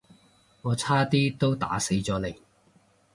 我差啲都打死咗你